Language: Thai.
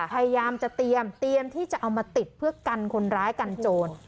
พยายามจะเตรียมเตรียมที่จะเอามาติดเพื่อกันคนร้ายกันโจร